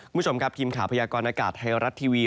คุณผู้ชมครับทีมข่าวพยากรณากาศไทยรัฐทีวี